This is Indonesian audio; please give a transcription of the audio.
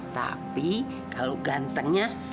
tapi kalau gantengnya